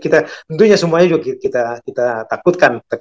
kita tentunya semuanya juga kita takutkan